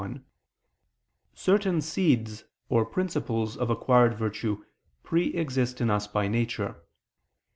1), certain seeds or principles of acquired virtue pre exist in us by nature.